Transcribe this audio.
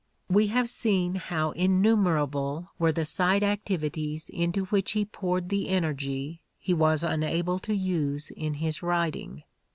We have seen how innumerable were the side activities into 156 The Ordeal of Mark Twain which he poured the energy he was unable to use in his writing.